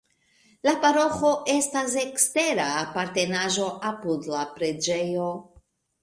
La paroĥo estas ekstera apartenaĵo apud la preĝejo.